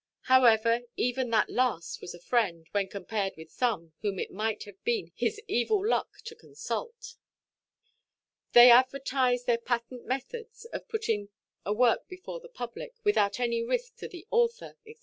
However, even that last was a friend, when compared with some whom it might have been his evil luck to consult. They advertise their patent methods of putting a work before the public, without any risk to the author, &c.